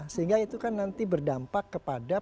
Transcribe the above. sehingga itu kan nanti berdampak kepada